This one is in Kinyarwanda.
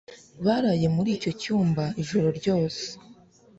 Baraye muri icyo cyumba ijoro ryose